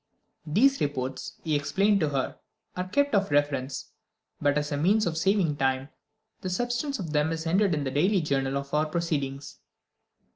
"These reports," he explained to her, "are kept for reference; but as a means of saving time, the substance of them is entered in the daily journal of our proceedings.